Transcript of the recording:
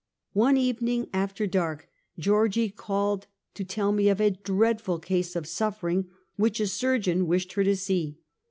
One evening after dark, Georgie call ed to tell me of a dreadful case of sufiering which a sur geon wished her to see.